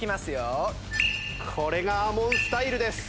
これがＡＭＯＮスタイルです。